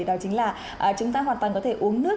đó chính là chúng ta hoàn toàn có thể uống nước